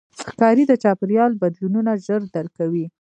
ښکاري د چاپېریال بدلونونه ژر درک کوي.